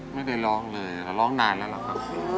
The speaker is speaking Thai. ไม่ได้ร้องเลยร้องนานแล้วหรอกครับ